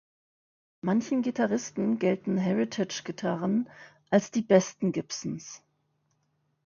Manchen Gitarristen gelten Heritage-Gitarren als die „besten Gibsons“.